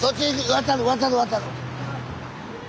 渡る渡る渡る！